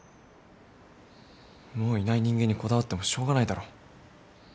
もういない人間にこだわってもしょうがないだろ。